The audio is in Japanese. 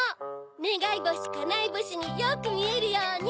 ねがいぼしかなえぼしによくみえるように。